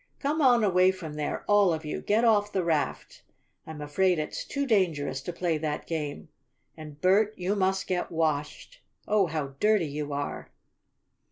"Come on away from there, all of you. Get off the raft! I'm afraid it's too dangerous to play that game. And, Bert, you must get washed! Oh, how dirty you are!"